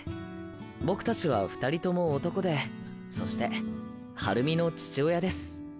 僕たちは２人とも男でそしてハルミの父親です。